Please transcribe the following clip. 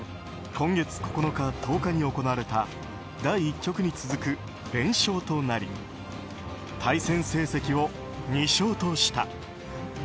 今月９日、１０日に行われた第１局に続く連勝となり対戦成績を２勝とした。